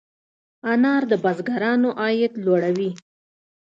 انار د بزګرانو عاید لوړوي.